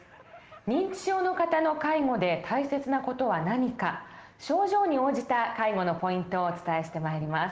認知症の方の介護で大切な事は何か症状に応じた介護のポイントをお伝えしてまいります。